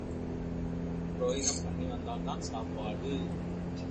புரோகிதம் பண்ணி வந்தால்தான் சாப்பாடு.